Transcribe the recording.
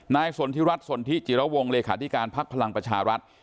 นายสนทิรัฐสนทิจิรวงค์เลขาธิการภักดิ์พลังประชารัฐ